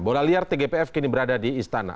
bola liar tgpf kini berada di istana